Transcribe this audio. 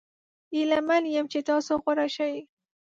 هیله من یم چې تاسو غوره شي.